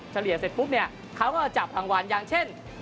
เฉลี่ยเสร็จปุ๊บเนี่ยเขาก็จะจับรางวัลอย่างเช่น